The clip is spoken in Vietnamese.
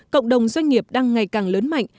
cộng đồng doanh nghiệp đang ngày càng lớn mạnh